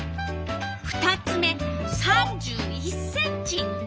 ２つ目３１ｃｍ。